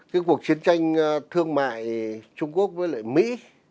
cái cuộc chiến tranh thương mại trung quốc với lại mỹ